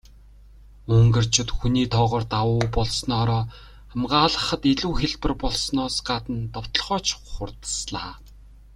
Унгарчууд хүний тоогоор давуу болсноороо хамгаалахад илүү хялбар болсноос гадна довтолгоо ч хурдаслаа.